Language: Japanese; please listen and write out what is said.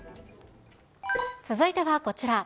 続いてはこちら。